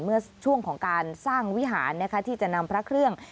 เมื่อช่วงของการสร้างวิหารที่จะนำพระเครื่อง